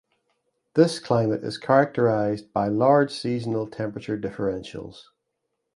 This climate is characterized by large seasonal temperature differentials.